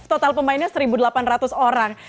total pemainnya satu delapan ratus orang